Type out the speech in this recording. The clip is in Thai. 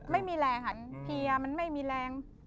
ไม่มีแรงหันเพียมันไม่มีแรง